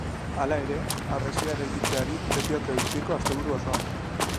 Hala ere, harresia eraikitzeari ez diote utziko asteburu osoan.